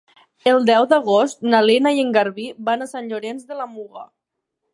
El deu d'agost na Lena i en Garbí van a Sant Llorenç de la Muga.